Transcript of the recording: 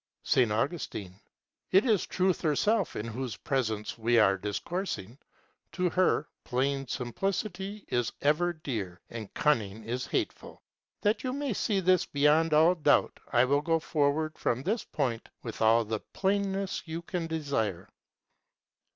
S. Augustine. It is Truth herself in whose presence we are discoursing. To her, plain simplicity is ever dear, and cunning is hateful. That you may see this beyond all doubt I will go forward from this point with all the plainness you can desire.